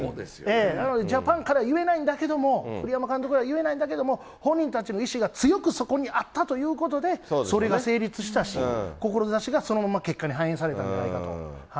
なのでジャパンから言えないんだけども、栗山監督は言えないんだけども、本人たちの意志が強くそこにあったということで、それが成立したし、志がそのまま結果に反映されたんじゃないかと。